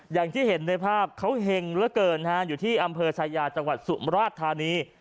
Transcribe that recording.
อย่างที่เห็นในภาพเขาเห็งเหลือเกินฮะอยู่ที่อำเภอชายาจังหวัดสุมราชธานี